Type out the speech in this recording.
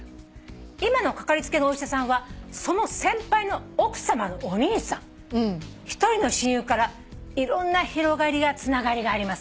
「今のかかりつけのお医者さんはその先輩の奥さまのお兄さん」「１人の親友からいろんな広がりやつながりがあります」